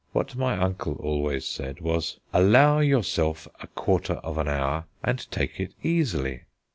What my uncle always said was: "Allow yourself a quarter of an hour, and take it easily."